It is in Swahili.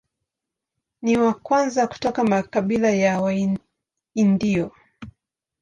Ni wa kwanza kutoka makabila ya Waindio.